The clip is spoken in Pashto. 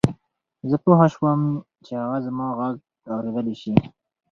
زه پوه شوم چې هغه زما غږ اورېدلای شي